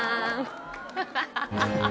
ハハハハハ！